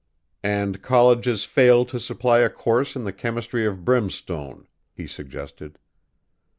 "And colleges fail to supply a course in the Chemistry of Brimstone," he suggested.